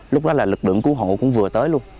lúc đó là lực lượng cứu hộ cũng vừa tới luôn